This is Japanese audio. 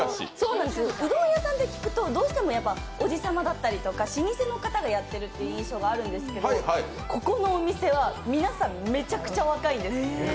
うどん屋さんって行くと、どうしてもおじさまだったり老舗の方がやってる印象があるんですけどここのお店は皆さん、めちゃくちゃ若いです。